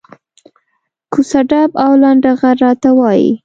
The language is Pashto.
کوڅه ډب او لنډه غر راته وایي.